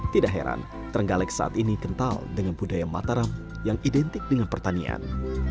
tidak heran terenggalek saat ini kental dengan budaya mataram yang identik dengan pertanian